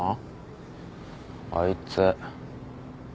ああいつ。